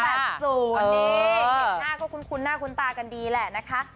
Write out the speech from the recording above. เห็นหน้าก็คุ้นหน้าคุ้นตากันดีแหละนะคะ